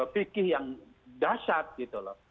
fikih yang dasar gitu loh